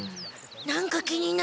何か気になる。